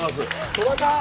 鳥羽さん。